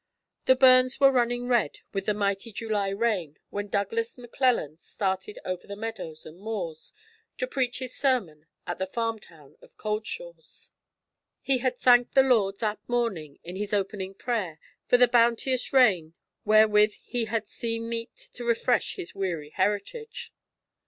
The burns were running red with the mighty July rain when Douglas Maclellan started over the meadows and moors to preach his sermon at the farmtown of Cauldshaws. He had thanked the Lord that morning in his opening prayer for 'the bounteous rain wherewith He had seen meet to refresh His weary heritage.'